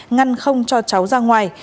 ngăn không cho cháu ra ngoài